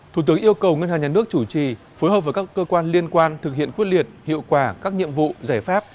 thủ tướng yêu cầu ngân hàng nhà nước chủ trì phối hợp với các cơ quan liên quan thực hiện quyết liệt hiệu quả các nhiệm vụ giải pháp